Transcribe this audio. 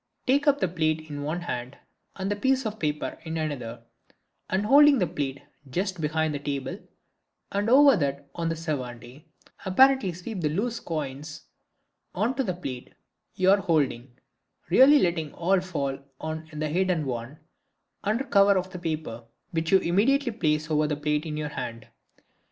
Take up the plate in one hand and the piece of paper in the other, and holding the plate just behind the table, and over that on the servante, apparently sweep the loose coins on to the plate you are holding, really letting all fall on the hidden one, under cover of the paper, which you immediately place over the plate in your hand.